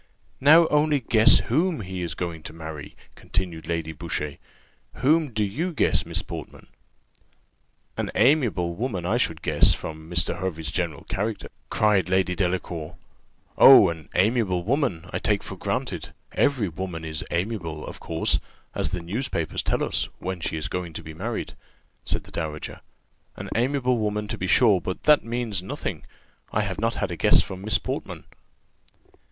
"Now only guess whom he is going to marry," continued Lady Boucher: "whom do you guess, Miss Portman?" "An amiable woman, I should guess, from Mr. Hervey's general character," cried Lady Delacour. "Oh, an amiable woman, I take for granted; every woman is amiable of course, as the newspapers tell us, when she is going to be married," said the dowager: "an amiable woman, to be sure; but that means nothing. I have not had a guess from Miss Portman."